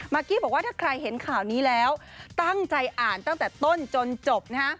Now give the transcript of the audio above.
กี้บอกว่าถ้าใครเห็นข่าวนี้แล้วตั้งใจอ่านตั้งแต่ต้นจนจบนะฮะ